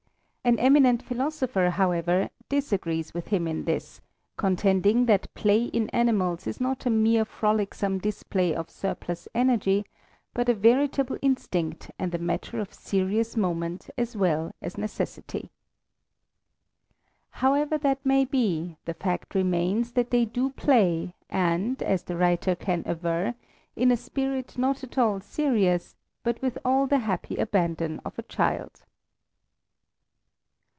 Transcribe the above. An eminent philosopher, however, disagrees with him in this, contending that play in animals is not a mere frolicksome display of surplus energy, but a veritable instinct and a matter of serious moment as well as necessity. However that may be, the fact remains that they do play and, as the writer can aver, in a spirit not at all serious, but with all the happy abandon of a child.